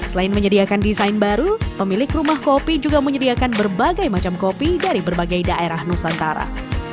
selain menyediakan desain baru pemilik rumah kopi juga menyediakan berbagai macam kopi dari berbagai daerah nusantara